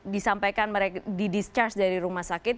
disampaikan mereka didischarge dari rumah sakit